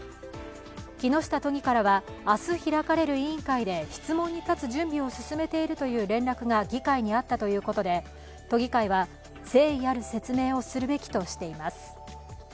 木下都議からは明日開かれる委員会で質問に立つ準備を進めているという連絡が議会にあったということで都議会は、誠意ある説明をするべきとしています。